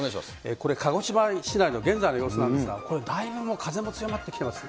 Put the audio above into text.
これ、鹿児島市内の現在の様子なんですが、これ、だいぶ風も強まってきています。